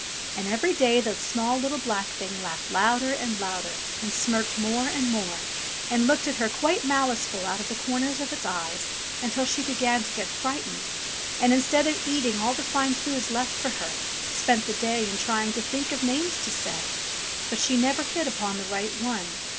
And every day the small, little, black Thing laughed louder and louder and smirked more and more, and looked at her quite maliceful out of the corners of its eyes until she began to get frightened, and instead of eating all the fine foods left for her, spent the day in trying to think of names to say. But she never hit upon the right one.